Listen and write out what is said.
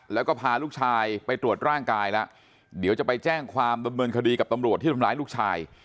แล้วก็พาลูกชายไปตรวจร่างกายแล้วเดี๋ยวจะไปแจ้งความดำเนินคดีกับตำรวจที่ทำร้ายลูกชาย